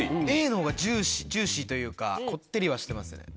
Ａのほうがジューシーというかこってりはしてますよね